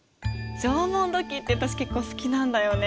縄文土器って私結構好きなんだよね。